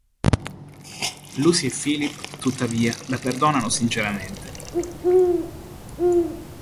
Lucy e Philip, tuttavia, la perdonano sinceramente.